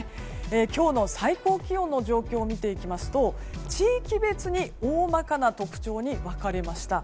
今日の最高気温の状況を見ていきますと地域別に大まかな特徴に分かれました。